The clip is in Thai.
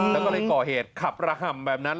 แล้วก็เลยก่อเหตุขับระห่ำแบบนั้น